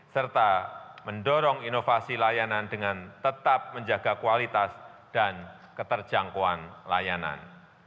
serta mendorong inovasi layanan dengan tetap menjaga kualitas dan keterjangkauan layanan